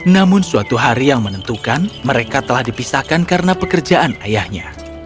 namun suatu hari yang menentukan mereka telah dipisahkan karena pekerjaan ayahnya